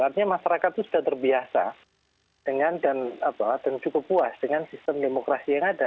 artinya masyarakat itu sudah terbiasa dengan cukup puas dengan sistem demokrasi yang ada